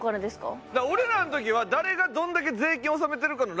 俺らの時は誰がどれだけ税金を納めてるかのランキング